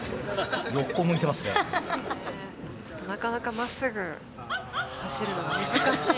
なかなかまっすぐ走るのが難しい。